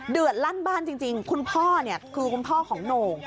ลั่นบ้านจริงคุณพ่อเนี่ยคือคุณพ่อของโหน่ง